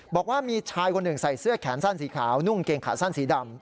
บอกว่ามีชายคนหนึ่งใส่เสื้อแขนสั้นสีขาวนุ่งเกงขาสั้นสีดำ